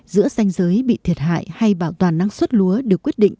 giữa xanh giới bị thiệt hại hay bảo toàn năng suất lúa được quyết định